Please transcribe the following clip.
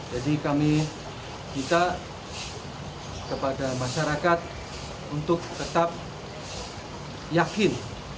jadi kami minta kepada masyarakat untuk tetap yakin